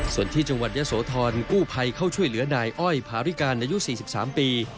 ส่วนที่จังหวัดยะโสธรกู้ภัยเข้าช่วยเหลือนายอ้อยภาริการอายุ๔๓ปี